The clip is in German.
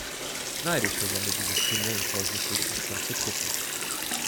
Neidisch versammelten sich Kinder in vorsichtigem Abstand zur Truppe.